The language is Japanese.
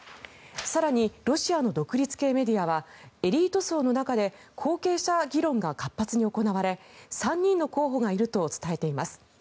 更に、ロシアの独立系メディアはエリート層の中で後継者議論が活発に行われ３人の候補がいると伝えています。